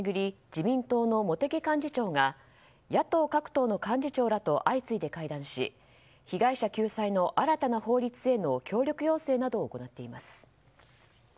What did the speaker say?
自民党の茂木幹事長が野党各党の幹事長らと相次いで会談し被害者救済の新たな法律への協力要請などを行っています。